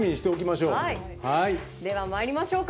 では、まいりましょうか。